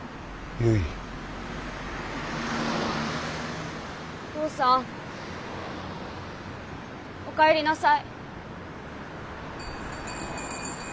お父さんお帰りなさい。